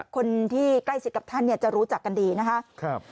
คนที่ใกล้สิทธิ์กับท่านเนี่ยจะรู้จักกันดีนะคะครับ